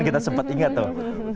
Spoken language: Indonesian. kita sempat ingat tuh